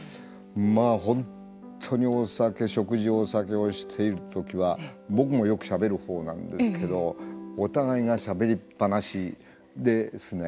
まあ本当にお酒食事お酒をしているときは僕もよくしゃべるほうなんですけどお互いがしゃべりっ放しですね。